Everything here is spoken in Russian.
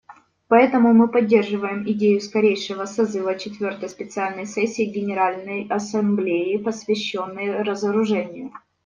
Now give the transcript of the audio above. Поэтому мы поддерживаем идею скорейшего созыва четвертой специальной сессии Генеральной Ассамблеи, посвященной разоружению.